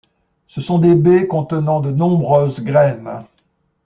Ce sont des baies contenant de nombreuses graines.